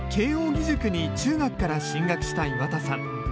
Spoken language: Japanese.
義塾に中学から進学した岩田さん。